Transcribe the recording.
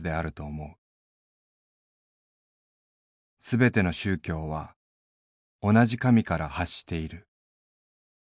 すべての宗教は同じ神から発している。